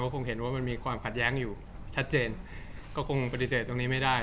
คงเห็นว่ามันมีความขัดแย้งอยู่ชัดเจนก็คงปฏิเสธตรงนี้ไม่ได้